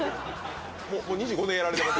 もう２５年やられてます。